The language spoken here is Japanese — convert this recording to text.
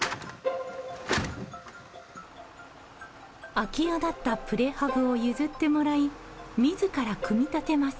空き家だったプレハブを譲ってもらい自ら組み立てます。